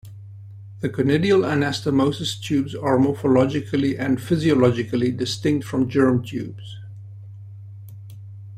The conidial anastomosis tubes are morphologically and physiologically distinct from germ tubes.